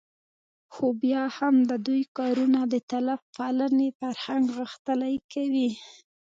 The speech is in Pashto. خو بیا هم د دوی کارونه د طالب پالنې فرهنګ غښتلی کوي